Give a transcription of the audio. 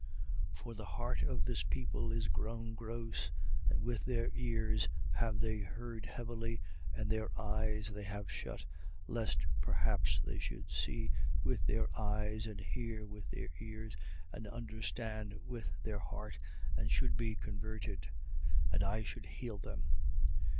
28:27. For the heart of this people is grown gross, and with their ears have they heard heavily and their eyes they have shut, lest perhaps they should see with their eyes and hear with their ears and understand with their heart and should be converted: and I should heal them.